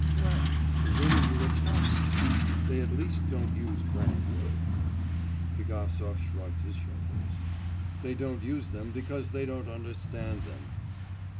'Well, the women you attack so they at least don't use grand words.' Pigasov shrugged his shoulders. 'They don't use them because they don't understand them.